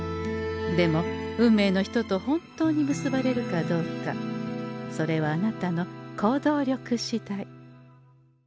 でも運命の人と本当に結ばれるかどうかそれはあなたの行動力しだい。